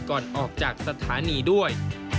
ก่อนออกจากสถานีด้วย